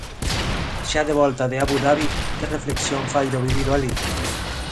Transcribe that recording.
Xa de volta de Abu Dhabi, que reflexión fai do vivido alí?